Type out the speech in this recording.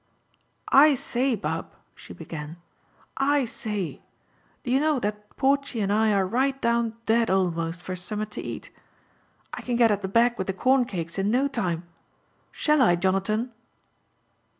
I say, Bub," she began, "I say, — do you know that Porchy and I are right down dead almost for summet to eat? I can get at the bag with the corn cakes in no time. Shall I^ Jonathan?"